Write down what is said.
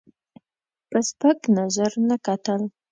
په سپک نظر نه کتل.